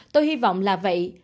tôi hy vọng là vậy